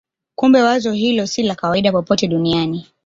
Kumbe wazo hilo si la kawaida popote duniani.